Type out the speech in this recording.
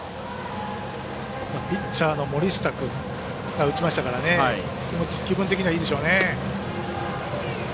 ピッチャーの森下君が打ちましたので気分的にはいいでしょうね。